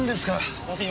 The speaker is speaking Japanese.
すいません